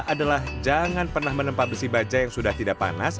adalah jangan pernah menempah besi baja yang sudah tidak panas